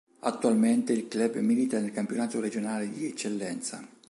Attualmente il club milita nel campionato regionale di Eccellenza.